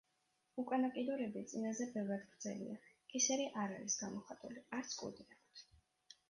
უკანა კიდურები წინაზე ბევრად გრძელია, კისერი არ არის გამოხატული, არც კუდი აქვთ.